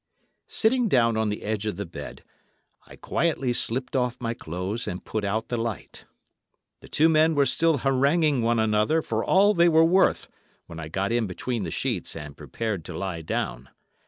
Sitting down on the edge of the bed, I quietly slipped off my clothes and put out the light. The two men were still haranguing one another for all they were worth when I got in between the sheets and prepared to lie down.